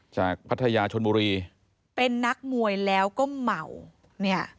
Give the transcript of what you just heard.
พัทยาชนบุรีเป็นนักมวยแล้วก็เหมาเนี่ย